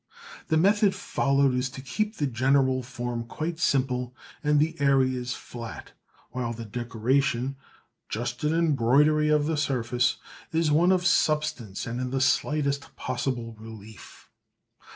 The method followed is to keep the general form quite simple and the areas flat, while the decoration, just an embroidery of the surface, is of one substance and in the slightest possible relief.